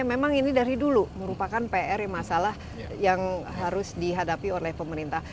memang ini dari dulu merupakan pr yang masalah yang harus dihadapi oleh pemerintah